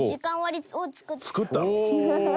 作ったの？